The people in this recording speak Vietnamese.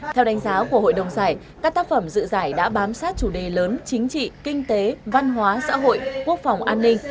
theo đánh giá của hội đồng giải các tác phẩm dự giải đã bám sát chủ đề lớn chính trị kinh tế văn hóa xã hội quốc phòng an ninh